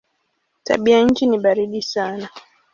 Tabianchi ni baridi sana.